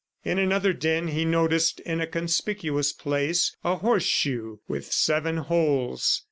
In another den he noticed in a conspicuous place, a horseshoe with seven holes.